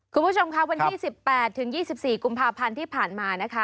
คุณผู้ชมค่ะวันที่สิบแปดถึงยี่สิบสี่กุมภาพันธ์ที่ผ่านมานะคะ